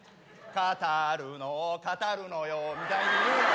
「語るの語るのよ」みたいに言うな。